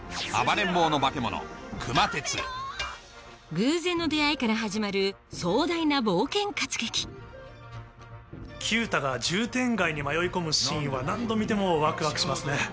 偶然の出会いから始まる壮大な冒険活劇九太が渋天街に迷い込むシーンは何度見てもワクワクしますね